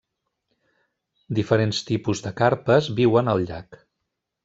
Diferents tipus de carpes viuen al llac.